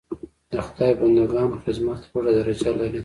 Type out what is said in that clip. د خدای بنده ګانو خدمت لوړه درجه لري.